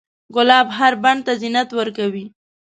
ګلاب هر بڼ ته زینت ورکوي.